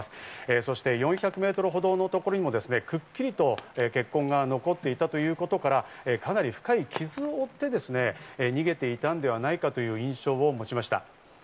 そして４００ｍほどのところにもくっきりと血痕が残っていたということから、かなり深い傷を負って逃げていたのではないかという印象を持ちました。